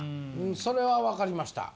それは分かりました。